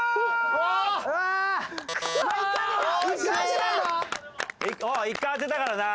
おお１回当てたからな。